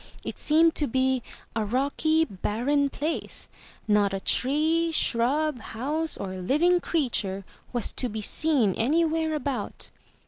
It seemed to be a rocky, barren place; not a tree, shrub, house or living creature, was to be seen anywhere about.